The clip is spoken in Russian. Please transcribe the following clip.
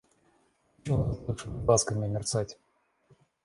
Нечего заплывшими глазками мерцать.